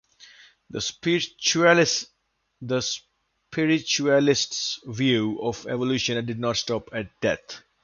The spiritualists' view of evolution did not stop at death.